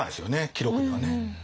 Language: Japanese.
記録にはね。